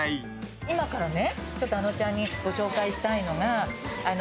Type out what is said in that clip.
今からあのちゃんにご紹介したいのが。